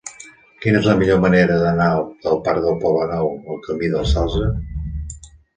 Quina és la millor manera d'anar del parc del Poblenou al camí del Salze?